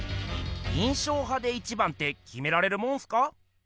印象派で一番ってきめられるもんすか？